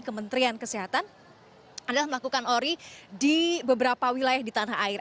kementerian kesehatan adalah melakukan ori di beberapa wilayah di tanah air